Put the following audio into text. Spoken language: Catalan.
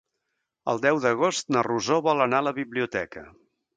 El deu d'agost na Rosó vol anar a la biblioteca.